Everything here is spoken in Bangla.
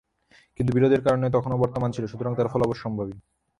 কিন্তু বিরোধের কারণ তখনও বর্তমান ছিল, সুতরাং তার ফলও অবশ্যম্ভাবী।